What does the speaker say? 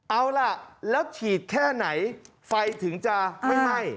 เอาล่ะแล้วฉีดแค่ไหนไฟถึงจะไม่ไหม้